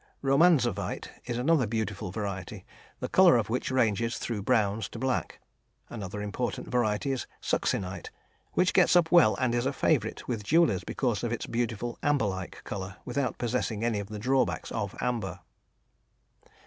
"Romanzovite" is another beautiful variety, the colour of which ranges through browns to black. Another important variety is the "succinite," which gets up well and is a favourite with jewellers because of its beautiful, amber like colour, without possessing any of the drawbacks of amber.